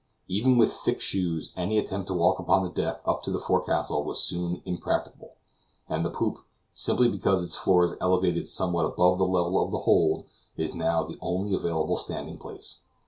Even with thick shoes any attempt to walk upon deck up to the forecastle was soon impracticable, and the poop, simply because its floor is elevated somewhat above the level of the hold, is now the only available standing place.